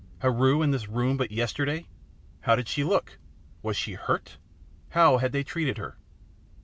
Heru here in this room but yesterday! How did she look? Was she hurt? How had they treated her?"